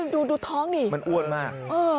ดูท้องนี่มันอ้วนมาก